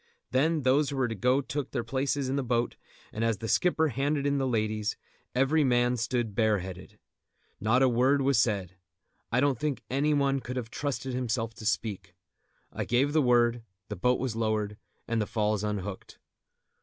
Then those who were to go took their places in the boat, and as the skipper handed in the ladies, every man stood bareheaded. Not a word was said. I don't think any one could have trusted himself to speak. I gave the word, the boat was lowered, and the falls unhooked.